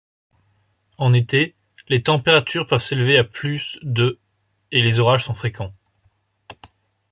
En été, les températures peuvent s'élever à plus de et les orages sont fréquents.